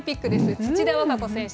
土田和歌子選手。